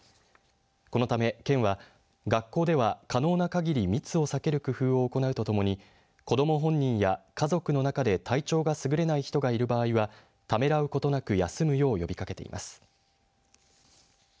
このため、県は学校では可能な限り密を避ける工夫を行うとともに子ども本人や家族の中で体調がすぐれない人がいる場合はためらうことなく休むよう呼びかけています。